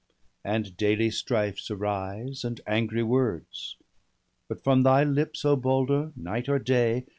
And daily strifes arise, and angry words. But from thy lips, O Balder, night or day.